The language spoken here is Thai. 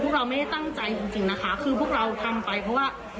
เราไม่ได้ตั้งใจจริงนะคะคือพวกเราทำไปเพราะว่า